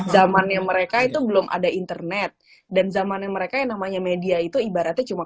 zamannya mereka itu belum ada internet dan zamannya mereka yang namanya media itu ibaratnya cuma